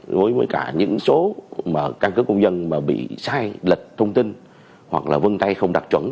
với những số căn cứ công dân bị sai lịch thông tin hoặc vân tay không đạt chuẩn